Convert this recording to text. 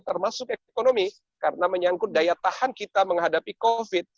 termasuk ekonomi karena menyangkut daya tahan kita menghadapi covid